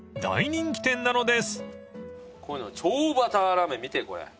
こういうの超バターらーめん見てこれ。